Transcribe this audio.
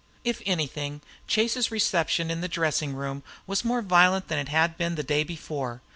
If anything, Chase's reception in the dressing room was more violent than it had been the day before.